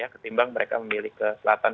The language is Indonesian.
ketimbang mereka memilih ke selatan